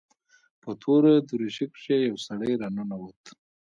په توره دريشي کښې يو سړى راننوت.